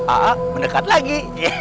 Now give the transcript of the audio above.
aa mendekat lagi